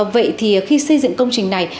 vậy thì khi xây dựng công trình này